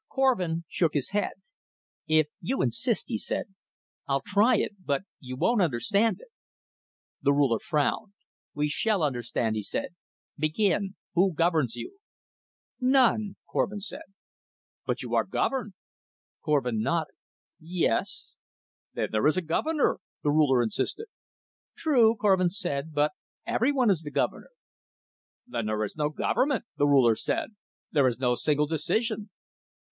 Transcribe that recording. Korvin shook his head. "If you insist," he said, "I'll try it. But you won't understand it." The Ruler frowned. "We shall understand," he said. "Begin. Who governs you?" "None," Korvin said. "But you are governed?" Korvin nodded. "Yes." "Then there is a governor," the Ruler insisted. "True," Korvin said. "But everyone is the governor." "Then there is no government," the Ruler said. "There is no single decision."